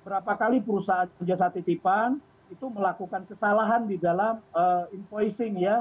berapa kali perusahaan jasa titipan itu melakukan kesalahan di dalam empoising ya